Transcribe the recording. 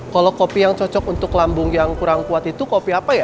kalau kopi yang cocok untuk lambung yang kurang kuat itu kopi apa ya